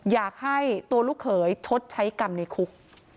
อยากให้ตัวลูกเขยชดใช้กรรมในคุก